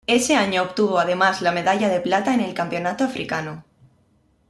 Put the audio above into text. Ese año obtuvo además la medalla de plata en el campeonato africano.